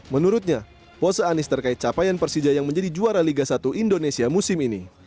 menurutnya pose anies terkait capaian persija yang menjadi juara liga satu indonesia musim ini